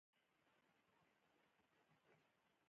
زه به مو وزيرستان له بوزم.